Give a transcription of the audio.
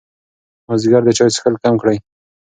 مازدیګر د چای څښل کم کړئ.